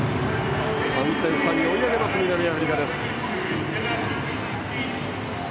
３点差に追い上げた南アフリカ。